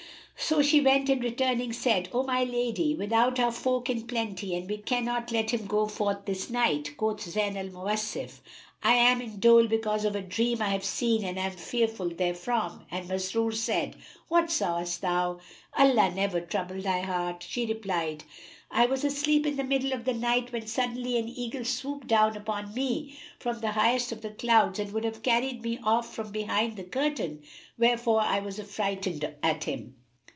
So she went and returning, said, "O my lady, without are folk in plenty and we cannot let him go forth this night." Quoth Zayn al Mawasif, "I am in dole because of a dream I have seen and am fearful therefrom." And Masrur said, "What sawest thou? Allah never trouble thy heart!" She replied, "I was asleep in the middle of the night, when suddenly an eagle swooped down upon me from the highest of the clouds and would have carried me off from behind the curtain, wherefore I was affrighted at him.